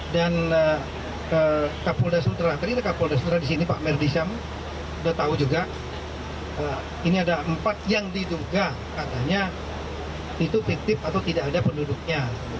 dan kapolda sutera tadi kapolda sutera disini pak merdisyam sudah tahu juga ini ada empat yang diduga katanya itu piktif atau tidak ada penduduknya